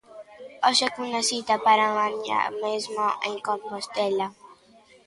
Hoxe cunha cita para mañá mesmo en Compostela.